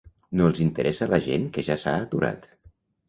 No els interessa la gent que ja s'ha aturat.